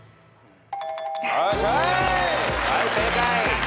はい正解。